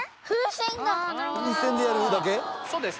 そうです